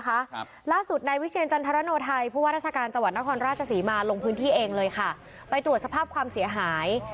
ครับล่าสุดนายวิเชียรจันทรโนไทยผู้ว่าราชการจังหวัดนครราชศรีมาลงพื้นที่เองเลยค่ะไปตรวจสภาพความเสียหาย